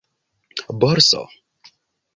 borso